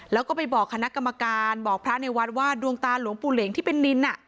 แล้วก็ไปบอกคณะกรรมการบอกพระในวัดว่าดวงตาหลวงปู่เหลงที่เป็นนิน